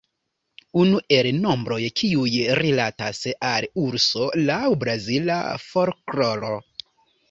Unu el nombroj kiuj rilatas al urso laŭ brazila folkloro.